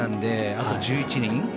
あと１１人。